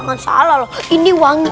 jangan salah loh ini wangi